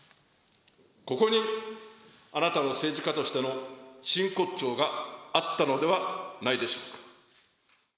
ここに、あなたの政治家としての真骨頂があったのではないでしょうか。